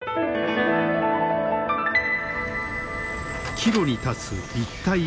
岐路に立つ一帯一路。